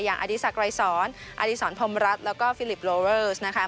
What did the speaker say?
อย่างอดีสักรายสอนอดีสอนพมรัฐแล้วก็ฟิลิปโลเวิร์สนะคะ